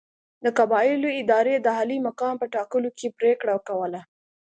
د قبایلو ادارې د عالي مقام په ټاکلو کې پرېکړه کوله.